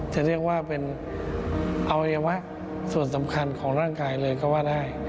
จะเรียกว่าเป็นอวัยวะส่วนสำคัญของร่างกายเลยก็ว่าได้